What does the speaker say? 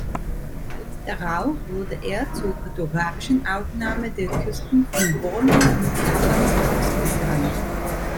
Bald darauf wurde er zur kartografischen Aufnahme der Küsten von Borneo und Japans ausgesandt.